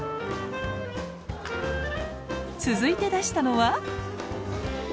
続いて出したのは。